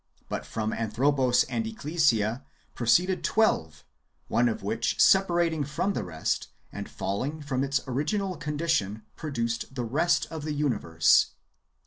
But from Anthropos and Ecclesia proceeded twelve, one of which separating from the rest, and falHng from its original condi tion, produced the rest^ of the universe.